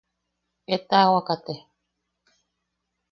Etawaka te.